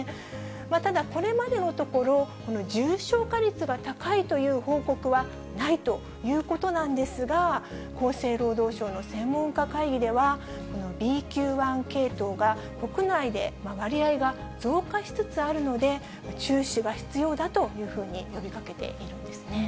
ただ、これまでのところ、この重症化率が高いという報告はないということなんですが、厚生労働省の専門家会議では、このＢＱ．１系統が国内で割合が増加しつつあるので、注視が必要だというふうに呼びかけているんですね。